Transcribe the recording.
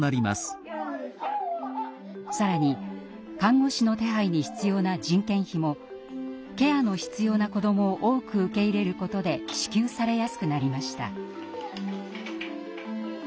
更に看護師の手配に必要な人件費もケアの必要な子どもを多く受け入れることで支給されやすくなりました。